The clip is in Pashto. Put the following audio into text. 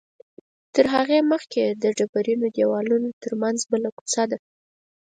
تر هغې مخکې د ډبرینو دیوالونو تر منځ یوه بله کوڅه ده.